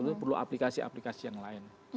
itu perlu aplikasi aplikasi yang lain